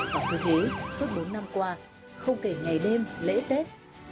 trong tư thế suốt bốn năm qua không kể ngày đêm lễ tết